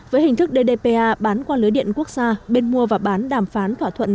với hình thức ddpa bán qua lưới điện quốc gia bên mua và bán đàm phán thỏa thuận